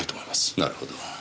なるほど。